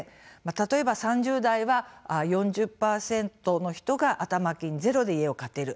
例えば３０代は４０％の人が頭金ゼロで家を買っている。